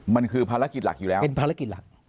มันคือภารกิจหลักอยู่แล้วเป็นภารกิจหลัก